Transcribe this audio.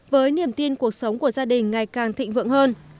với niềm tin cuộc sống của gia đình ngày càng thịnh vượng hơn